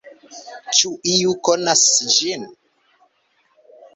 Ĉu iu konas ĝin?